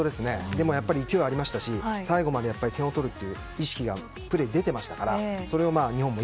でも勢いがありましたし最後まで点を取るっていう意識が出ていましたからそれを日本も